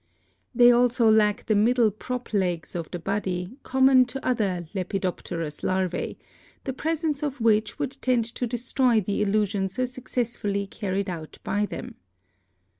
They also lack the middle prop legs of the body common to other lepidopterous larvae, the presence of which would tend to destroy the illusion so successfully carried out by them.